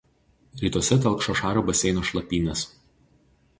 Rytuose telkšo Šario baseino šlapynės.